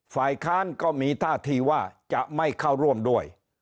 ฝ่ายค้านก็มีท่าทีว่าจะไม่เข้าร่วมด้วย